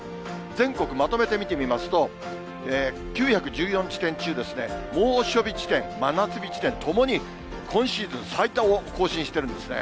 全国まとめて見てみますと、９１４地点中、猛暑日地点、真夏日地点ともに今シーズン最多を更新してるんですね。